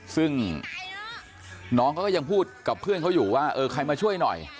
ซึ่งน้องเขาก็ยังพูดกับเพื่อนเขาอยู่ว่าเออใครมาช่วยหน่อย